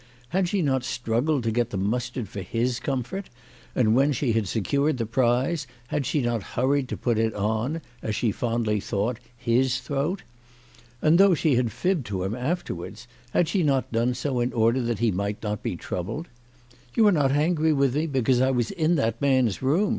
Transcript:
Had she not struggled to get the mustard for his comfort, and when she had secured the prize had she not hurried to put it on, as she had fondly thought, his throat ? And though she had fibbed to him afterwards, had she not done so in order that he might not be troubled ?" You are not angry with me because I was in that man's room